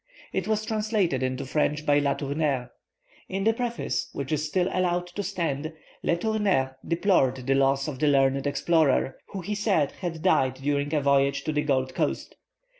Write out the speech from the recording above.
It was translated into French by Le Tourneur. In his preface, which is still allowed to stand, Le Tourneur deplored the loss of the learned explorer, who he said had died during a voyage to the Gold Coast.